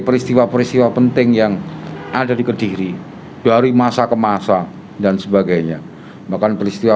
peristiwa peristiwa penting yang ada di kediri dari masa ke masa dan sebagainya bahkan peristiwa